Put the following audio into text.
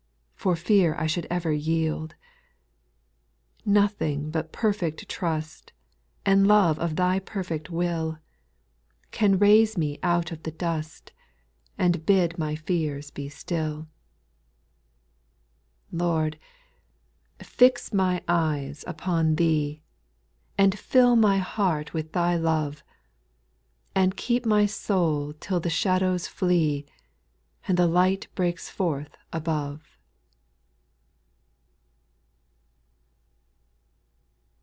For fear I should ever yield. 12. Nothing but perfect trust, And love of thy perfect will, JSP J RITUAL SONGS, 168 Can raise me out of the dust, And bid my fears be still. / 18. ' Lord, fix my eyes upon Thee, And fill my heart with Thy love ; And keep my soul till the shadows flee, And the light breaks forth above.